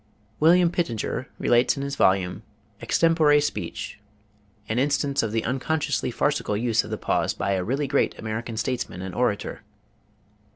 William Pittenger relates in his volume, "Extempore Speech," an instance of the unconsciously farcical use of the pause by a really great American statesman and orator.